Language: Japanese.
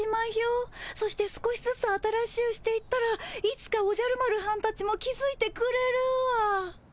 そして少しずつ新しゅうしていったらいつかおじゃる丸はんたちも気づいてくれるわ。